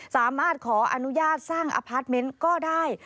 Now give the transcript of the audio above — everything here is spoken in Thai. สามารถขออนุญาตสร้างอพาร์ทเมนต์ก็ได้